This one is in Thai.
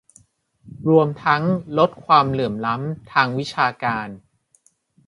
รวมทั้งลดความเหลื่อมล้ำทางวิชาการ